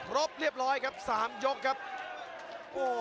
รบเรียบร้อยสามยกครับ